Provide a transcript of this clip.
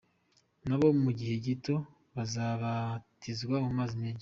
Na bo mu gihe gito bazabatizwa mu mazi menshi.